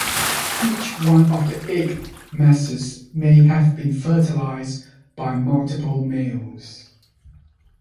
Each one of the egg masses may have been fertilized by multiple males.